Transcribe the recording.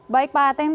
baik pak aten